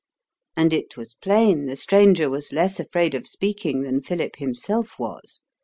And it was plain the stranger was less afraid of speaking than Philip himself was.